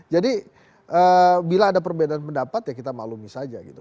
jadi bila ada perbedaan pendapat ya kita maklumi saja gitu